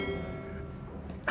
aku akan menangis